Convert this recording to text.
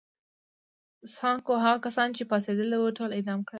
سانکو هغه کسان چې پاڅېدلي وو ټول اعدام کړل.